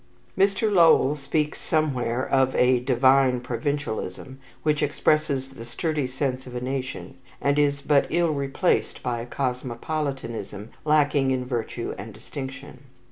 Mr. Lowell speaks somewhere of a "divine provincialism," which expresses the sturdy sense of a nation, and is but ill replaced by a cosmopolitanism lacking in virtue and distinction.